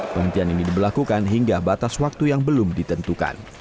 penghentian ini diberlakukan hingga batas waktu yang belum ditentukan